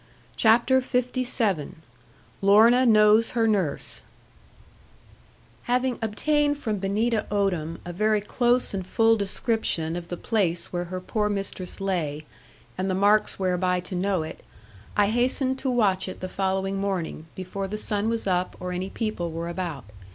CHAPTER LVII LORNA KNOWS HER NURSE Having obtained from Benita Odam a very close and full description of the place where her poor mistress lay, and the marks whereby to know it, I hastened to Watchett the following morning, before the sun was up, or any people were about.